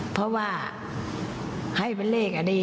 เพราะว่าให้เป็นเลขอดีต